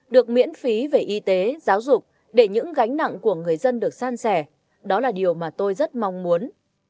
được miễn phí về y tế giáo dục để những gánh nặng của người dân được san sẻ đó là điều mà tôi rất mong muốn